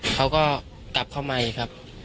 เขาก็กลับเข้ามาอีกครับ